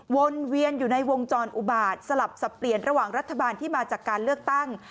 วนเวียนอยู่ในวงจรอุบาตสลับสับเปลี่ยนระหว่างรัฐบาลที่มาจากการเลือกตั้ง